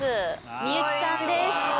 みゆきさんです。